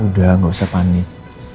udah gak usah panik